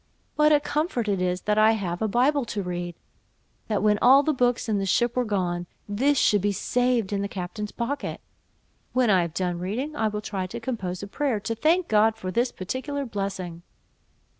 What a comfort it is that I have a Bible to read! that when all the books in the ship were gone, this should be saved in the captain's pocket! when I have done reading, I will try to compose a prayer, to thank God for this particular blessing."